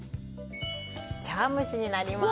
茶わん蒸しになります。